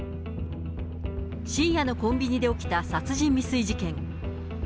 深夜のコンビニで起きた殺人未遂事件。